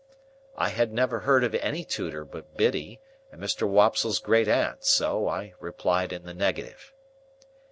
I had never heard of any tutor but Biddy and Mr. Wopsle's great aunt; so, I replied in the negative.